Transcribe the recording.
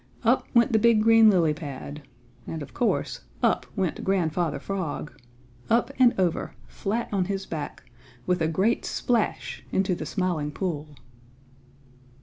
Up went the big green lily pad, and, of course, up went Grandfather Frog up and over flat on his back, with a great splash into the Smiling Pool!